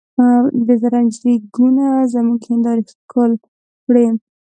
د زرنج ریګونو زموږ هندارې ښکل کړې.